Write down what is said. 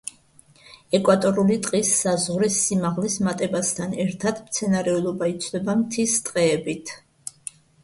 ეკვატორული ტყის საზღვრის სიმაღლის მატებასთან ერთად მცენარეულობა იცვლება მთის ტყეებით.